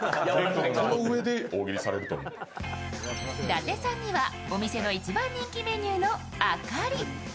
伊達さんにはお店の一番人気メニューの星。